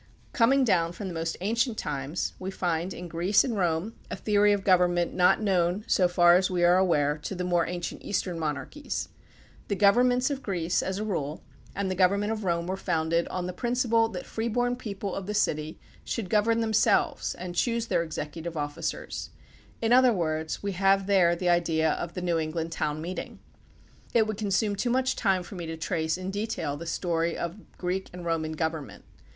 Coming down from the most ancient times we find in Greece and Rome a theory of government not known, so far as we are aware, to the more ancient Eastern monarchies. The governments of Greece, as a rule, and the government of Rome were founded on the principle that the freeborn people of the city should gov ern themselves and choose their executive officers; in other words, we have there the idea of the New England town meeting. It would consume too much time for me to trace in detail the story of Greek and Roman government.